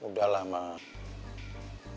udah lah mak